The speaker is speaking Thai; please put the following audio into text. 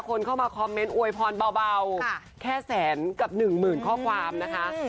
คนเข้ามาคอมเมนต์อวยพรเบาแค่แสนกับหนึ่งหมื่นข้อความนะคะ